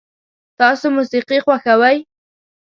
تاسو موسیقي خوښوئ؟